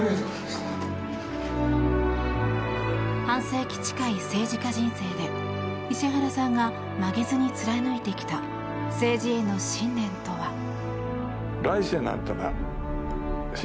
半世紀近い政治家人生で石原さんが曲げずに貫いてきた政治への信念とは？